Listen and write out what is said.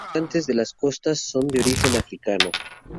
Los habitantes de las costas son de origen africano.